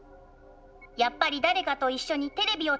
やっぱり誰かと一緒にテレビを楽しみたい。